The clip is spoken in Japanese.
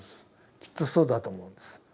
きっとそうだと思うんです。